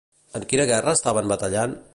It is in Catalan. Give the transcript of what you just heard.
En quina guerra estaven batallant?